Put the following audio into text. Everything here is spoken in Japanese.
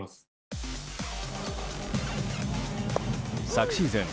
昨シーズン